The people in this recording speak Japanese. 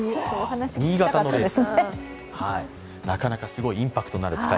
新潟のレース。